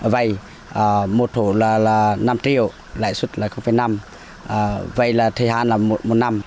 vậy một hộ là năm triệu lãi suất là năm vậy là thời hạn là một năm